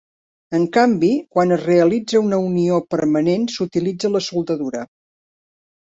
En canvi quan es realitza una unió permanent s'utilitza la soldadura.